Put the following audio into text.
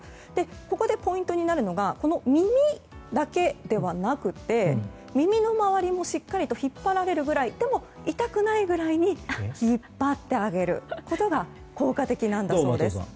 ここでポイントになるのが耳だけではなくて耳の周りもしっかり引っ張られるぐらいでも、痛くないくらいに引っ張ってあげることがどう、松尾さん。